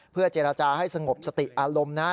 เพื่อเจรจาให้สงบสติอารมณ์นะฮะ